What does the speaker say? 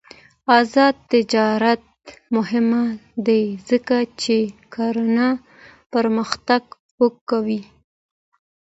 آزاد تجارت مهم دی ځکه چې کرنه پرمختګ ورکوي.